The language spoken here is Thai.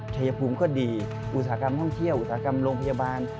ชายภูมิก็ดีอุตสาหกรรมท่องเที่ยวอุตสาหกรรมโรงพยาบาล